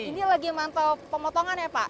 ini lagi mantau pemotongan ya pak